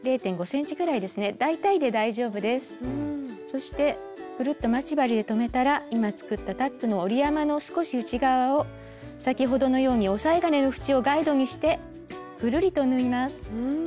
そしてぐるっと待ち針で留めたら今作ったタックの折り山の少し内側を先ほどのようにおさえ金のふちをガイドにしてぐるりと縫います。